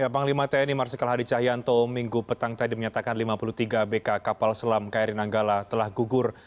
panglima tni marsikal hadi cahyanto minggu petang tadi menyatakan lima puluh tiga abk kapal selam kri nanggala telah gugur